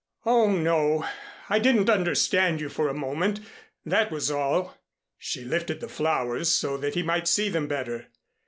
"Oh, no, I didn't understand you for a moment. That was all." She lifted the flowers so that he might see them better.